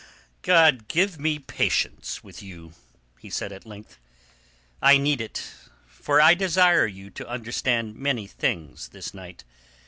"God give me patience with you!" he said at length. "I need it. For I desire you to understand many things this night.